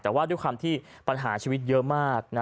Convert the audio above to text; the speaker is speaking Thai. แต่ว่าด้วยความที่ปัญหาชีวิตเยอะมาก